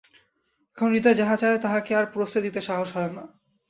এখন হৃদয় যাহা চায়, তাহাকে আর প্রশ্রয় দিতে সাহস হয় না।